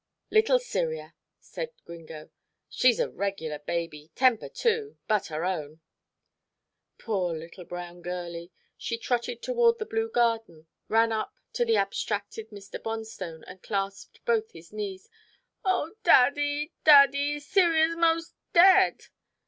"Little Cyria," said Gringo, "she's a regular baby temper too but our own." Poor little brown girlie she trotted toward the blue garden, ran up to the abstracted Mr. Bonstone and clasped both his knees. "Oh! Daddy, Daddy, Cyria's mos' dead."